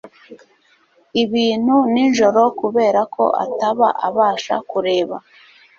ibintu nijoro kubera ko ataba abasha kureba